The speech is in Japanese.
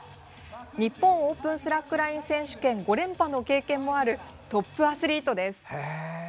日本オープンスラックライン選手権５連覇の経験もあるトップアスリートです。